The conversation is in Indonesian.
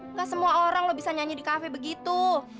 nggak semua orang lo bisa nyanyi di kafe begitu